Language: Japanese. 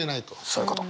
そういうこと。